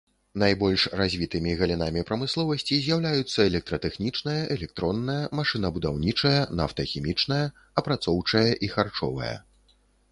Найбольш развітымі галінамі прамысловасці з'яўляюцца электратэхнічная, электронная, машынабудаўнічая, нафтахімічная, апрацоўчае і харчовая.